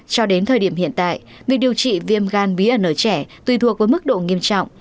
cho đến thời điểm hiện tại việc điều trị viêm gan bí ẩn ở trẻ tùy thuộc với mức độ nghiêm trọng